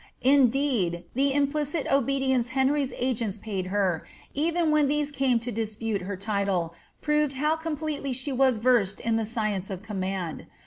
Indeed, the implicit obedience Henry's agents paid her, even when these came to dispute her title, proved how completely she was versed in the science of command.